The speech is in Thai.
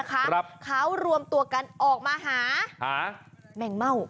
เขารวมตัวกันออกมาหาแมงเม่า